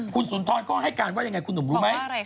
คุณสุนทรก็ให้การว่ายังไงคุณหนุ่มรู้ไหม